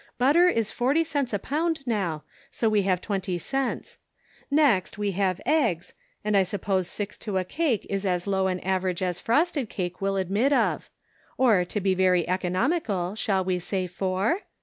Butter is forty cents a pound now, so we have twenty cents. Next we have eggs, and I 78 The Pocket Measure. suppose six to a cake is as low an average as frosted cake will admit of; or, to be very economical, shall we say four?